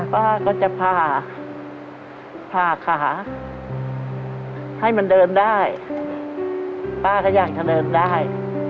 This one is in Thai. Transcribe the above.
ป้าก็จะผ่าผ่าขาให้มันเดินได้ป้าก็อยากจะเดินได้